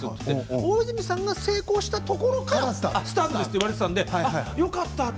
大泉さんが成功したところからスタートですと言われていたんでよかったと。